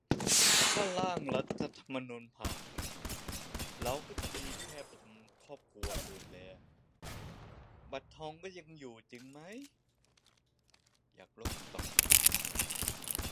ถ้า ร่างรัฐธรรมนูญ ผ่าน เราจะมีแพทย์ประจำครอบครัวดูแล บัตรทอง ก็ยังอยู่จริงไหม อยากรู้คำตอบ